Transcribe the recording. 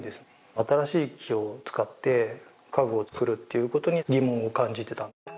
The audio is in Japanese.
新しい木を使って家具を作るっていうことに疑問を感じてた。